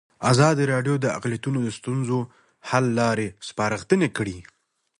ازادي راډیو د اقلیتونه د ستونزو حل لارې سپارښتنې کړي.